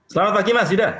selamat pagi mas dida